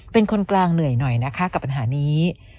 เป็นคนกลางเหนื่อยหน่อยนะคะกับปัญหานี้